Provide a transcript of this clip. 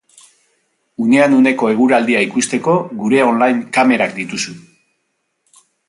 Unean uneko eguraldia ikusteko, gure online kamerak dituzu.